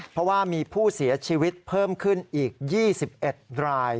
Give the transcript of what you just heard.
เพราะว่ามีผู้เสียชีวิตเพิ่มขึ้นอีก๒๑ราย